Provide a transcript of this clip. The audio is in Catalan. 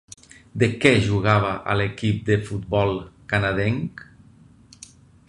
De què jugava a l'equip de futbol canadenc?